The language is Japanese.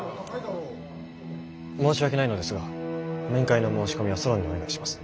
申し訳ないのですが面会の申し込みはソロンにお願いします。